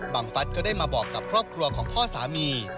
ฟัฐก็ได้มาบอกกับครอบครัวของพ่อสามี